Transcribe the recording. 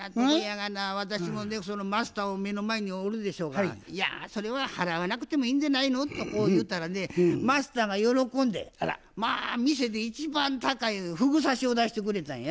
私もねそのマスターを目の前におるでしょうが「いやそれは払わなくてもいいんじゃないの」とこう言うたらねマスターが喜んでまあ店で一番高いふぐ刺しを出してくれたんや。